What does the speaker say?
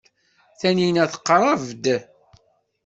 Taninna tqerreb-d.